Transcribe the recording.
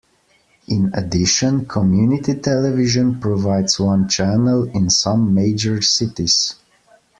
In addition, community television provides one channel in some major cities.